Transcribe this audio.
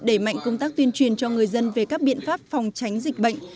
đẩy mạnh công tác tuyên truyền cho người dân về các biện pháp phòng tránh dịch bệnh